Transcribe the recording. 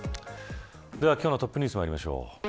では今日のトップニュースまいりましょう。